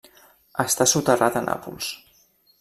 Està soterrat a Nàpols.